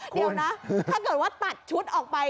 เดี๋ยวนะถ้าเกิดว่าตัดชุดออกไป